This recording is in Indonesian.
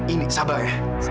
indi sabar ya